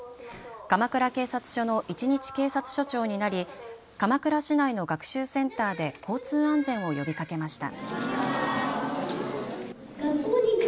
鎌倉警察署の一日警察署長になり鎌倉市内の学習センターで交通安全を呼びかけました。